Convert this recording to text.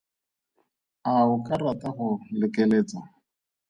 A o ka rata go lekeletsa?